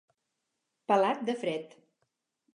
Pelat de fred.